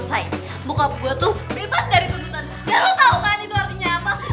sampai jumpa di video selanjutnya